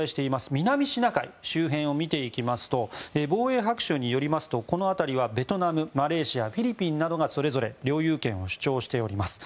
南シナ海周辺を見ていきますと「防衛白書」によりますとこの辺りはベトナムマレーシア、フィリピンなどがそれぞれ領有権を主張しております。